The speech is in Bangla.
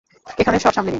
এখানে সব সামলে নেই।